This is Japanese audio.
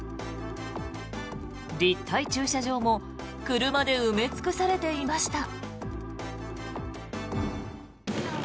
立体駐車場も車で埋め尽くされていました。